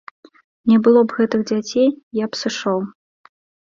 Не было б гэтых дзяцей, я б сышоў.